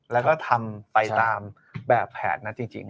แล้วก็ทำไปตามแบบแผนนั้นจริง